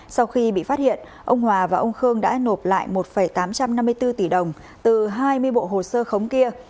sau khi bị phát hiện ông hòa và ông khương đã nộp lại một tám trăm năm mươi bốn tỷ đồng từ hai mươi bộ hồ sơ khống kia